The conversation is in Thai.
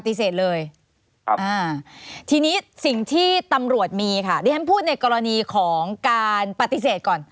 ปฏิเสธเลยทีนี้สิ่งที่ตำรวจมีค่ะได้ไหมพูดในกรณีของการปฏิเสธก่อน